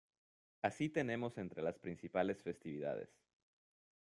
Así tenemos entre las principales festividades.